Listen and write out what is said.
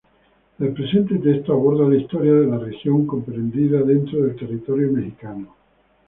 El presente texto aborda la historia de la región comprendida dentro del territorio mexicano.